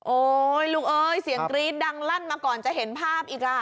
โอ๊ยลูกเอ้ยเสียงกรี๊ดดังลั่นมาก่อนจะเห็นภาพอีกอ่ะ